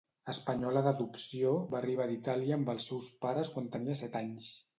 Espanyola d'adopció, va arribar d'Itàlia amb els seus pares quan tenia set anys.